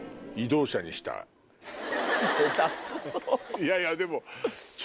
いやいやでも。